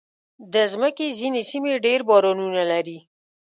د مځکې ځینې سیمې ډېر بارانونه لري.